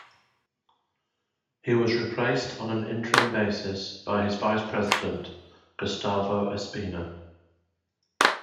He was replaced on an interim basis by his vice president, Gustavo Espina.